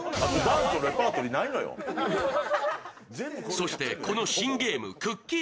そしてこの新ゲームくっきー！